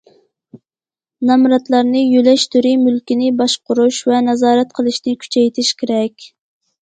نامراتلارنى يۆلەش تۈرى مۈلكىنى باشقۇرۇش ۋە نازارەت قىلىشنى كۈچەيتىش كېرەك.